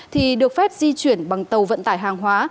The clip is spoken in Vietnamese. thì được phép di chuyển bằng tàu vận tải hàng hóa